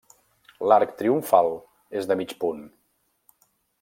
L'arc triomfal és de mig punt.